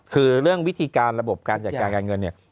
คือเรื่องวิธีการระบบการจัดการการเงินเนี่ย